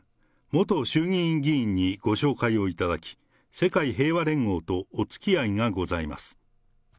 元衆議院議員にご紹介をいただき、世界平和連合とおつきあいがございます。